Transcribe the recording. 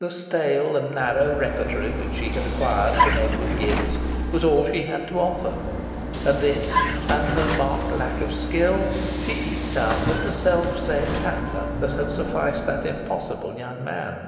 The stale and narrow repertory which she had acquired from Edward Gibbs was all she had to offer; and this, and her marked lack of skill, she eked out with the self same "patter" that had sufficed that impossible young man.